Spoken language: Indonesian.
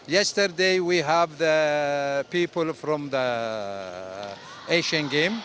semalam kita memiliki orang dari asian games